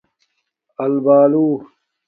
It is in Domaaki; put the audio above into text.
آلبالُو